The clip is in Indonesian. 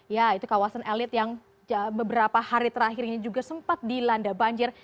ya itu kawasan elit yang beberapa hari terakhir ini juga sempat dilanda banjir